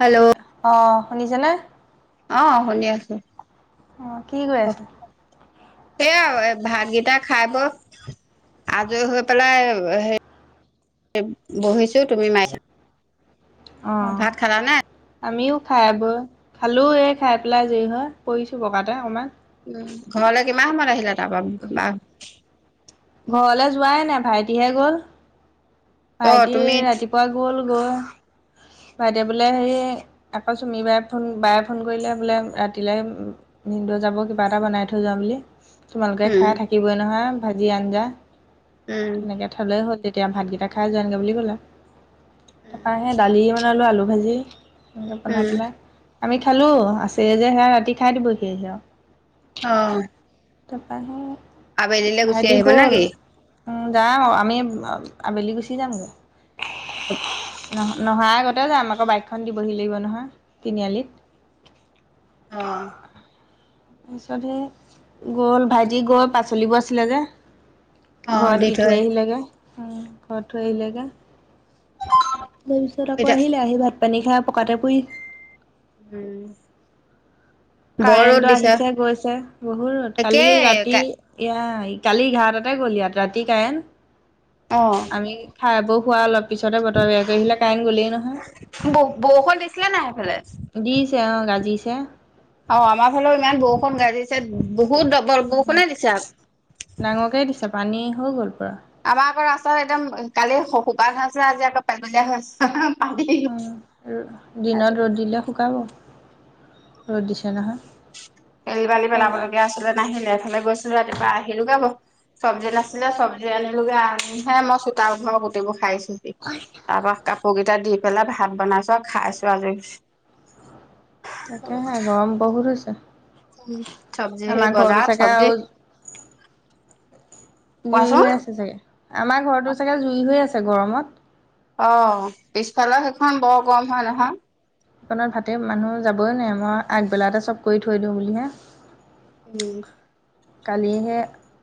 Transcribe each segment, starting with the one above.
Hello. অ', শুনিছেনে? অ' শুনি আছোঁ। অ', কি কৰি আছা। সেইয়া ভাত কেইটা খাই বই আজৰি হৈ পেলাই হে বহিছো তুমি মাৰিছা। অ'। ভাত খালা নে আমিও খাই বৈ খালোঁ এই খাই পেলাই যে হয় পৰিছোঁ বগাতে অকণমান উম, ঘৰলে কিমান সময়ত আহিলে তাৰপা বা ঘৰলৈ যোৱাই নাই ভাইটিহে গ'ল। অ ভাইটি তুমি ৰাতিপুৱা গ'ল গৈ বাইদেউ বোলে হেৰি আকৌ চুমি বাৰ ফোন বায়ে ফোন কৰিলে বোলে ৰাতিলেলৈ ভিনদ' যাব কিবা এটা বনাই থৈ যোৱা বুলি তোমালোকে উম খাই থাকিবই নহয় ভাজি আঞ্জা। উম। থলে হ'ল তেতিয়া ভাতকেইটা খাই যামগে বুলি ক'লে তাৰ সে দালি মানে বনালো আলু ভাজি সনেকৈ বনাই উম পেলাই আমি খালো আছে যে সেয়া ৰাতি খাই দিব সেহে অ'। তাৰপা আবেলিলে সেই গুচি ভাইটি আহিব নে গ'ল। কি উম যাম আমি আবেলি গুচি যামগৈ। [inaudible] নহ নহাৰ আগতে যে আম আকৌ বাইকখন দিবহি লাগিব নহয় তিনিআলিত। অ'। তাৰপিছত সেই গ'ল ভাইটি গৈ পাচলিবোৰ আছিলে যে ঘৰত দি থৈ আহিলেগে। ঘৰত থৈ আহিলেগে তাৰ পিছত আকৌ এতিয়া আহিলে আহি ভাত পানী খাই পকাতে পৰি উম। বৰ ৰ'দ কাৰেণ্টটো দিছে আহিছে গৈছে বহু ৰত কালি একেই ৰাতি এইয়াই, কালি এঘাৰটাতে গ'ল ইয়াত ৰাতি কাৰেণ্ট অ'। আমি খাই বৈ খুৱাৰ অলপ পিছতে, বতৰ বেয়া কৰি আহিলে কাৰেণ্ট গলেই নহয়। ব বৰষুণ দিছিলে নাই সেইফালে। দিছে অ', গাজিছে। অ', আমাৰ ফালেও ইমান বৰষুণ গাজিছে বহুত দ ডাঙৰকেই দিছে পানী হৈ গ'ল পূৰা। আমাৰ আকৌ ৰাস্তাত একদম কালি শুকাই হৈ আছিলে, আজি আকৌ পেলপেলীয়া হৈ আছে। পানী উম দিনত ৰ'দ দিলে শুকাব। ৰ'দ দিছে নহয়। শিল, বালি এবাৰ পেলাবলগীয়া আছিলে, নাহিলে এইফালে গৈছিলো ৰাতিপুৱা আহিলো হৈ গ'ল। চব্জি নাছিলে চব্জি আনিলোগে আহিহে মই চোতাল ঘৰ গোটেইবোৰ খাৰিছোহি। হয়। [unintelligible] তাৰ পৰা কাপোৰ গিটা ধুই পেলাই ভাত বনাইছো আৰু খাইছো আজ তাকেহে গৰম বহুত হৈছে চব্জি সেই আমাৰ ঘৰটো বজাৰত চাগে চব্জি আৰু জুই কোৱাচোন হৈ আছে চাগে আমাৰ ঘৰতো চাগে জুই হৈ আছে গৰমত অ' পিছফালৰ সেইখন বৰ গৰম হয় নহয়। দোকনত ভাতে মানুহ যাবই নোৱাৰি। মই আগবেলাতে চব কৰি থৈ দিওঁ বুলিহে, উম', কালি হে,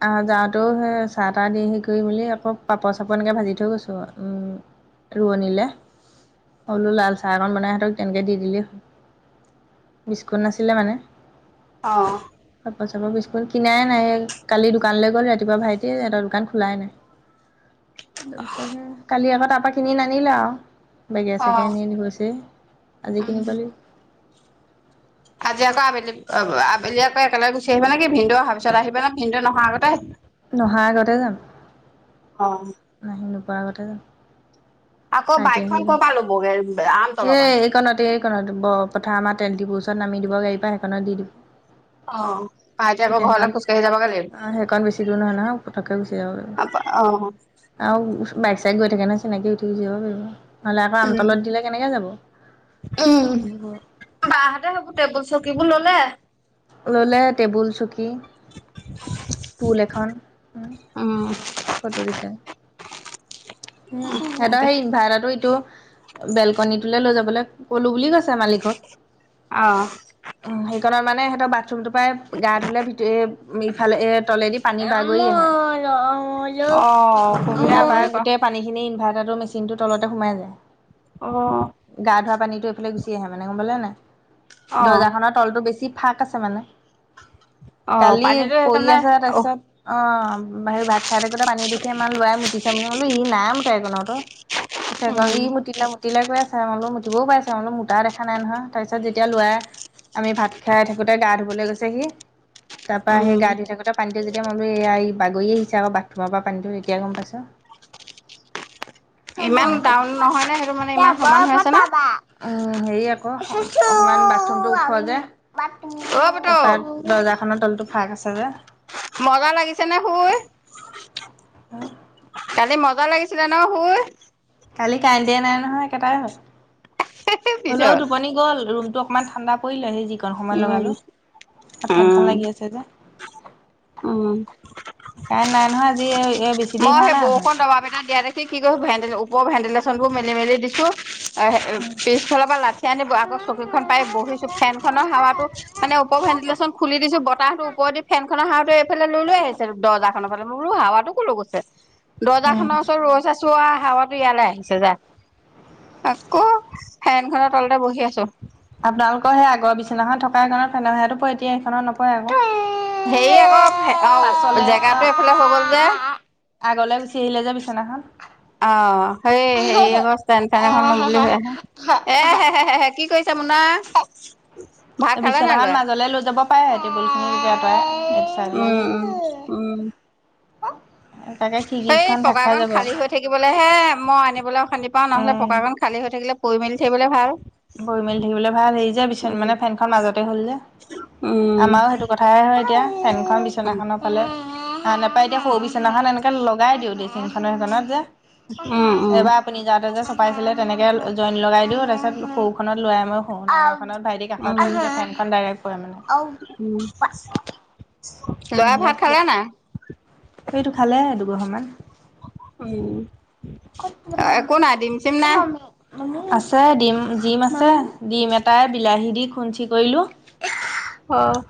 আহ যাওঁতেও সে চাহ তাহ দি হে কৰি মেলি আকৌ পাপৰ- চাপৰ এনেকে ভাজি থৈ গৈছোঁ মই উম' ৰোৱনিলে, মই বোলো লাল চাহ অকন বনাই সিহতক তেনেকে দি দিলেই হ'ল। বিস্কুট নাছিলে মানে অ', চাপৰ চাপৰ বিস্কুট কিনাই নাই। কালি দোকানলৈ গ'ল ৰাতিপুৱা ভাইটি সিহঁতৰ দোকান খোলাই নাই। ত [inaudible] পিছ কালি আকৌ তাৰপৰা কিনি নানিলা আৰু বেগে অ চেগে নি [inaudible] আজি উম কিনিব লাগিব আজি আকৌ আবেলি অ আবেলি আকৌ একেলগে গুচি আহিবা নে কি? ভিনদেউ অহাৰ পিছত আহিব নে, ভিনদেউ নহাৰ আগতে আহিবা। নহাৰ আগতে যাম। অহ', আহি নোপোৱাৰ আগতে যাম। আকৌ ভাইটিয়ে বাইকখন লৈ ক'ৰ পৰা ল'বগে আহিব। আমতলৰ এ পৰা এইকণতে, কাৰণ বৈ পথাৰ আমাৰ তেলডিপু ওচৰত নামি দিব গাড়ীৰ পৰা সেইখনত দি দিব অ ভাইটি আকৌ তেতিয়া ঘৰলৈ সেইকণ খোজকাঢ়ি যাবগে লাগিব সেইকণ বেছি দূৰ নহয় নহয় মই পটককে গুচি আহিব পাৰিম। অহ', আৰু বাইক চাইক গৈ থাকে নহয় চিনাকি উঠি যাব পাৰিব। নহ'লে আকৌ আমতলত দিলে কেনেকে যাব। উম' বাহতে সেইবোৰ টেবুল চকীবোৰ ল'লে? ল'লে টেবুল, চকী, টোল এখন উম ফটো দিছে। সিহঁতৰ দে সেই ইনভাৰটাৰটো এইটো বেলকনীটোলৈ লৈ যাবলৈ ক'লো বুলি কৈছে। মালিকক অ উ' সেইকাৰণে মানে সিহঁতৰ বাথৰুম টোৰ পৰাই গা ধুলে ভিতৰি ইফালে এ তলেদি পানী বাগৰি আহিছে। অ অসুবিধা তাৰ হ'ব পৰা সেই আৰু গোটেই পানীখিনি ইনভাৰ্টাৰ মেচিনটোৰ তলতে সোমাই গ'ল। অহ', গা ধোৱা পানীতটো এইফালে গুচি আহে মানে গম পালান নাই অ দৰ্জা খনৰ তলতটো বেছি ফাক আছে মানে, অ কালি পানীটো পৰি সেইকাৰণে আছে অ তাৰপিছত অ' বহি ভাত খাই থাকোতে পানী দেখি ইমান ল'ৰাই মুতিছে বুলি। মই বোলো ই নাই মুটা সেই খনত অ, পিচে কয় উম ই মুটিলে মোক, মুতিলে কৰে চাই হ'লেও, মুতিবও পাৰে চাই হ'লেও মুুতাই দেখা নাই নহয়। তাৰপিছত যেতিয়া ল'ৰাই আমি ভাত খাই থাকোতে গা ধুবলৈ গৈছেহি তাৰ পৰাৰা সি উম গা ধুই থাকোতে পানীটো যেতি মইো এই এই বাগৰি আহিছে আৌ বাথৰুমৰ পৰা পানীটো তেতিয়া গম পাইছ আ ব বৰ ফ সমান পাবা হৈ আছে নে অ হেৰি আকৌ ইমান বাথৰুমতটো ওখোৱা যোয় অ তাৰপা পুতৌ দৰ্জা খনৰ তলতটো ফক আছে যে মগা লাগিছে নে শুই হ কালি মজা লাগিছিলে ন শুই কালি কাৰেণ্ট দিয়া নাই নহয় একেটাই হল হ'লেও পিছত টোপনি গ'ল ৰুমটো অকণমান ঠাণ্ডা পৰিলেহি যিকণ সময় উম লগালোঁ আৰু ফেনখন উম লাগি আছে যে উম কাৰেণ্ট নাই নহয় আজি এই বেছি দেৰি মই হোৱা সেই নাই আহা বৰষুণ দবা পিনা দিয়া দেখ কি ক ভেল ওৰ ভেণ্ডেলচন বোৰ মেলি মেলি দিছো পিছফালৰ পৰা লাঠি আনি আগৌ চকীখন পাই বহিছো ফেন খনৰ হাৱা মানে ওপৰ ভেণ্িলেশ্যন খুলি দিছো বাহত ওপৰ দি ফননৰ সাৰতটো এইফাল লৈ আহিছে দহজাক সনফালে মোৰো হাৱাতো কো গৈছে দৰ্জ উম খনৰ ওচৰত ৰৈছে চোৱা হাৱাো ইয়ালে আহিছে যোন আকৌ ফেনখনৰ তলতে বহি আছো আপোনালোকৰ সেই আগৰ বিচনাখন থকাণত ফেনে সেো প এতিয়া সেইখনত নপৰে আৰু হেৰি আকৌ অ জেগাতটো এইফালে হৈ গ'ল যে আগলৈ গুচি আহিলে যে বিচনাখন অ সেই হেৰি আকৌ ষ্টেন ফেন এখন লম বুলি ভ আহে এ হে কি কৰি তামনা বি্বনাখন মাজলৈ লৈ যাব পাৰেহে টেবুল খিনি তই উম উম উম তাকে এই খিৰিকীখন ঢাক খাই পকাাকন যাব খালী হৈ থাকিবলৈহে মই আনিবলৈ খান্দি পাও নহলে উম। পকাাকন খালী হৈ থাকিলে পৰি মেলি থাকিবলৈ ভাল বৈ মেল থাকিবলৈ ভাল হেৰি যে পিছত উম মানে ফেনখন মাজতে হ'ল যে উম আমাৰো সেইটো কথা উঠাই হয় এতিয়া চেনখন উম বিচনাখনত ভালে হ নাপায় এতিয়া সৰু বিচনাখন এনেকে লগাই দিওঁ দেইচিখনানৰ সেইখনত যে উম উম এইবাৰ আপুনি যাওঁতে যে চপাইছিলে তেনেকে জইন লগাই দিও তাৰ পিছত সৰুখনত লয়াই মই শ দ খত ভাইটি কাষত উম ফেনখন ডাইৰেক্ প মানে উম লৰা নহ'লে ভাত শুব খালা না সেইটো খালে দুগৰ মমান আৰু উ মমি নাই আছে ডিম ডিম আছে ডিম এটাই বিলাহী দি খুঞ্চি কৰিলো উ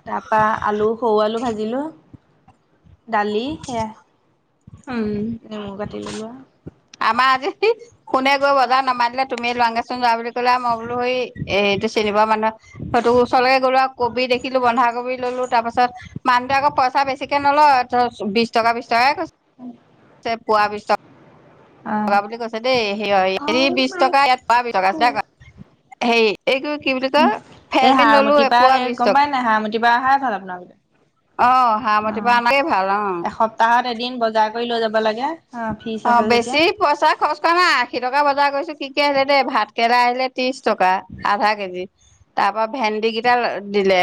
তাৰ পৰা আলু সৰু আলু ভাজিলো দালি সেয়া উম তিললোৱা আমাৰ আজি শুনে গৈ বজাৰ নামানিলে তুমি লৰাংচোন যোৱা বুলি ক'লে মই বোলো স এইটো চিনিবোৱা মানুহে সেইটো ওচৰকে গলোৱা কবি দেখিলো বন্ধাকবি ললো তাৰপাছত মানুহটো আকৌইচা বেছিকে নলয় ত বিশ টকা বিশ টকাই কৈছ উম পোৱা পিছত টকা বুলি কৈছে দেই সেইয় হেৰি বিশ টকা ইয়াত পাৰ বিশ টকা দেক হেৰি এইটো কি বুলি কই ফেচিন ললো এপোৱা বিশ টকা নহা মতিাৰ অহাই চাল আপোনালোকতে অ হাৰমতিৰ পৰা [unintelligible] ভাল অ তাহত এদিন বজাৰ কৰি লৈ যাব লাগে অ ফিজ অ আছে যেতিয়া বেছি পইচা খৰচ কৰা নাই আশী টকা বজাৰ কৰিৈছো কি কি আহিলে দেই ভাতকেৰেলা আহিলে ত্ৰিশ টকা আধা কেজি তাৰ পৰা ভেন্দি কিডাল দিলে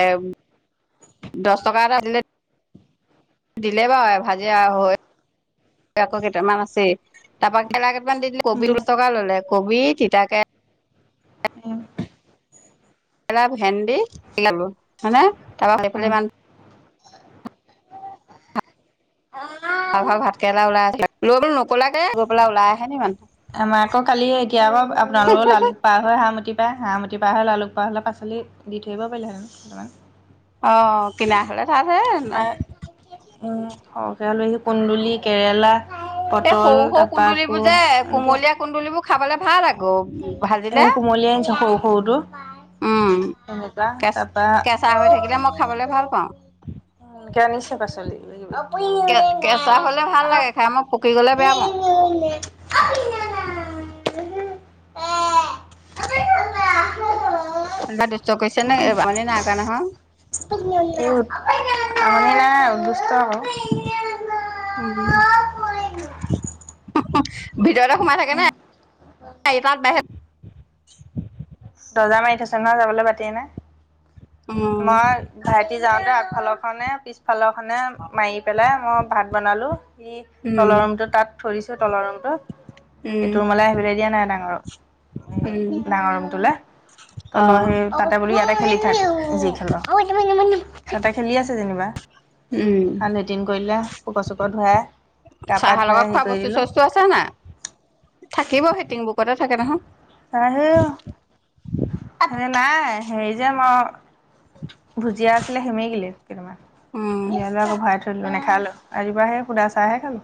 দচ টকা এটা দিলে দিলে বাৰু ভাজি আৰু হৈ আকৌ কেইটামান আছে তাৰপা [inaudible] কেইটামান দি দিলে কবি উম ওলচকা ল'লে কবি তিতাকে [unintelligible] [unintelligible] ভেন্দি [unintelligible] অ আৰু ঘৰ ভাতকেৰেলা [unintelligible] আহে মানুহ আমাৰ আকৌ কালি এতিয়া আকৌ আপোনালোকৰ লালো পাৰ হৈ হাৰমতি পায় হাৰমতি পাৰ হৈ লালুক পাৰ হ'লে পাছলি পালি দি থৈ আহিব পাৰিলে হয় [unintelligible] অ কিনা হলে থাত হে [unintelligible] আমাৰ উম সৰকে আলহী কুন্দুলি কেৰেলা এই পটল সৰু, সৰু তাৰপা আকৌ কুন্দুলিবোৰ যে এনেকে কুমলীয়া কুন্দুলিবোৰ খাবলে ভাল ল [unintelligible] এ কুমলিয়াই আনিছে সৰু সৰুটো উম [unintelligible] কেচ তাপা কেঁচা হৈ থাকিলে মই খাবলৈ ভাল পাওঁ [unintelligible] আনিছে পাচলি লৈ যাবি কে কেঁচা হ'লে ভাল লাগে খাই মই পকি গ'লে বেয়া পাওঁ [unintelligible] [inaudible] [inaudible] [unintelligible] দুষ্ট কৈছে নে [unintelligible] আমনি নাই কৰা নহয় [unintelligible] [unintelligible] ভিতৰতে সোমাই থাকে নে [unintelligible] বাহিৰত দৰ্জা মাৰি থৈছে নয় যাবলৈ বাটে নাই উম মই ভাইটি যাওঁতে আগফালৰ খনহে পিছফালৰখনে মাৰি পেলাই মই ভাত বনালো উম তলৰ ৰুমটো তাত থৈ দিছোঁ তলৰ ৰুমটো উম সেইটো ৰুমলৈ আহিবলৈ দিয়া নাই ডাঙৰক উম ডাঙৰ ৰুমটোলে অ তলৰ সেই তাতে বুলি ইয়াতে খেলি থাক যি খেল সিহঁতে খেলি আছে যেনিবা। উম লেট্ৰিন কৰিলে পোক চোক ধুৱাই গা পা ধুৱাই হেৰি কৰি দিলোঁ তোৰ আছে নাই থাকিব হিটিং বুকতে থাকে নহয় আহে নাই হেৰি যে মই ভুজিয়া আছিলে সেমেকিলেই কেইটামান উম ইয়ালৈ আকৌ ভৰাই থৈ দিলোঁ নেখালো ৰাতিপুৱা সে সুদা চাহহে খালো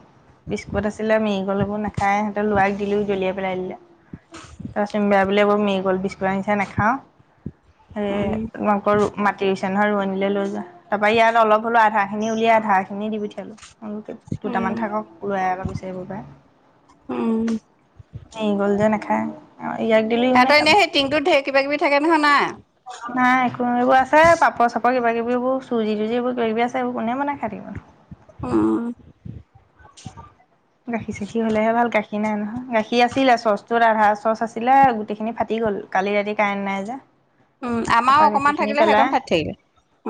বিস্কুট আছিলে মি [unintelligible] নাখায় লৰাক দিলোঁ দলিয়াই পেলাই দিলে, আকৌ মেৰিগল বিস্কুট আনিছে ঠে নাখাওঁ সে উম তোমালোকৰ মাটি ৰুইছে নহয় ৰুৱনীলৈ লৈ যোৱা তাৰপৰা ইয়াত অলপ হলো আধা খিনি উলিয়াই আধা খিনি দি পঠিয়ালো দুটামান উম থাকক। ওলাই আকৌ বিচাৰিব পায় উম এৰি গ'ল যে নাখায় ইয়াক দিলোঁ ইও সিহঁতৰ নাখালে এনেই সেই টিংটোত ঢেৰ কিবাকিবি থাকে নহয় নাই। [unintelligible] এইবোৰ আছে পাপৰ চাপৰ কিবাকিবোৰ চুজি তুজি এইবোৰ কিবি আছে এইবোৰ কোনে বনায় খায় থাকিব। উম গাখীৰ চাখি হ'লেহে ভাল গাখীৰ নাই নহয় গাখীৰ আছিলে চচটোত আধা চচ আছিলে গোটেইখিনি ফাটি গ'ল। কালি ৰাতি কাৰেন নাই যে উম তাৰপৰা আমাৰো অকমান গাখীৰখিনি থাকিলে সেইকণ ফাটি থাকিলে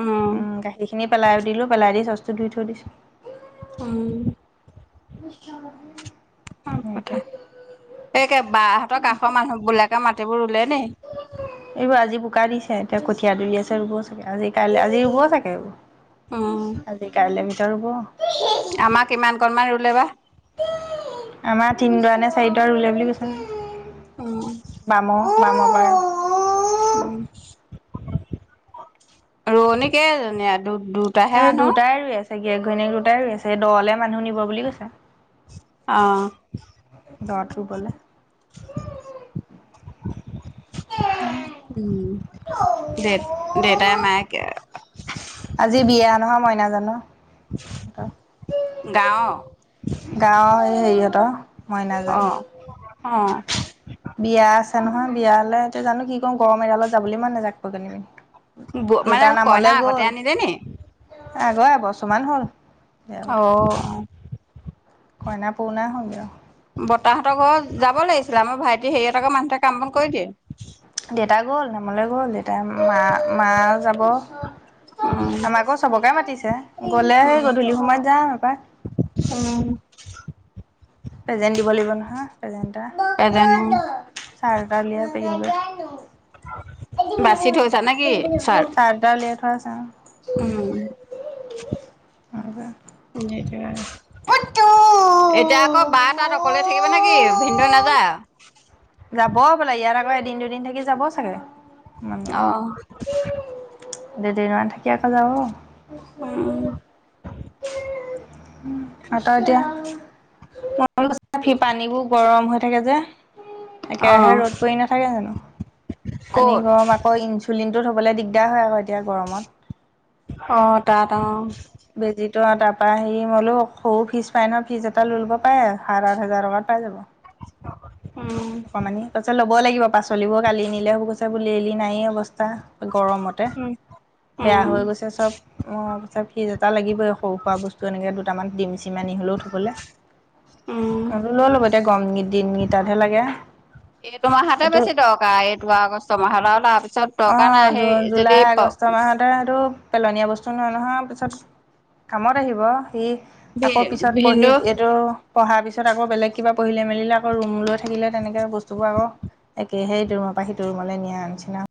উম সেইখিনি পেলায়ো দিলো পেলাই দি চচতু ধুই থৈ দিছো [inaudible] [inaudible] ভাল কথা এইকে বা হঁতৰ কাহৰ মানুহ বিলাকে মাটিবোৰ ৰুলে নেকি এইবোৰ আজি বোকা দিছে এতিয়া কঠীয়াা তুলি আছে ৰুব চাগে আজি কাইলে আজি ৰুব চাগে এইবোৰ উম আজি কাইলৈ ভিতৰত ৰুৱ আমাক কিমান কনমান ৰুলে বা। আমাৰ তিনদৰা নে চাৰিড ৰুলে বুলি কৈছে। [inaudible] বামো বামো বাৰু। উম, ৰুৱনী কেইজনী দুধ দুধ এই দুটাই ৰুই আছে গীয়েক ঘৈণীয়েক দুটাই ৰুই আছে দ লে মানুহ নিব বুলি কৈছে। অ' দট ৰুবলৈ। উম, দে দেউতাই মায়ে আজি বিয়া নহয় মইনাজানৰ গাওঁ। গাওঁৰ এই হেৰিহঁতৰ অ মইনাজান অ বিয়া আছে নহয় বিয়ালে এতিয়া জানো কি কৰু গড়মেৰালত যাবলৈ ইমান নেযাই পিনে। মানে কইনা আগতে আনিলে নি? আগৰ এবছৰমান হ'ল। বিয়া পতা অ'। কইনা পুৰৰণা হ'লগৈ আৰু বতাহঁতৰ ঘৰত যাব লাগিছিলে আমাৰ ভাইটি হেৰিয়টাকৰ মানুহতে কাম বন কৰি দিয়ে। দেউতা গ'ল নামলৈ গ'ল দেউতা মা মা যাব। উম আমাকো চবকে মাতিছে গ'লে সেই উম গধূলি সময়ত যাম এপক উম। প্ৰেজেণ্ট দিব লাগিব নহয়, নাজানো প্ৰেজেণ্ট এটা। চাৰৰ্ট ওলিয়াই পেকিং কৰি বাচি চাৰ্ট থৈছা নে কি এটা চাৰ্ট ওলিয়াই থোৱা আছে। উম, সেইটোৱে অ এতিয়া আকৌ বা তাত অকলে থাকিব নেকি ভিন্নদৈ নাযায়। যাব বোলে ইয়াত আকৌ এদিন দুদিন থাকি যাব চাগে। অ', দুদিন মান থাকি আকৌ যাব। উম, তই এতিয়া। সি পানীবোৰ গৰম হৈ থাকে যে। একেৰাহে অ', ৰ'দ পৰি নাথাকে জানো পানী ক'ত? গৰম আকৌ ই চুলিনটো থ'বলৈ দিগদাৰ হয় আকৌ এতিয়া গৰমত। অ' তাতত অ'। বেজীটো তাৰপা হি মইবোলো সৰু ফিজ পাই ন ফিজ এটা লৈ ল'ব পাৰে আৰু সাত আঠ হাজাৰৰ টকাত পাই যাব। উম। মানে ল'ব লাগিব পাচলিবোৰ কালি নিলে কৈছে বুলি লেৰলি নায়েই অৱস্থা। গৰমতে বেয়া উম, হৈ গৈছে চ'ব। অ' কছৈ ফিজ এটা লাগিবই সৰু সুৰা বস্তু এনেকৈ দুটামান ডিম চিম আনি হ'লেও থ'ব। উম। লৈ ল'ব এতিয়া গৰম দিন কেইটাত হে লাগে। এইটো মাহাতে এইটো বেছি দৰকাৰ এইটো আগষ্ট মাহলৈ ও তাৰ পিছত দৰকাৰ নাই সেই যদি। ত এইটো পেলনীয়া বস্তু নহয় নহয় পিছত কামত আহিব সি আকৌ পিছত পঢ়ি ভিনদেউ এইটো পঢ়াৰ পিছত আকৌ বেলেগ কিবা পঢ়িলে মেলিলে আকৌ ৰুম লৈ থাকিলে তেনেকে বস্তুবোৰ আকৌ একে সেই ৰুমৰ পৰা সি ৰুমলে নিয়া নিচিনা